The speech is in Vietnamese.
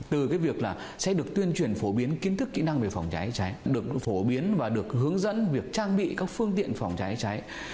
từ cái việc là sẽ được tuyên truyền phổ biến kiến thức kỹ năng về phòng cháy cháy được phổ biến và được hướng dẫn việc trang bị các phương tiện phòng cháy cháy